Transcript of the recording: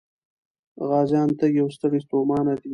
غازيان تږي او ستړي ستومانه دي.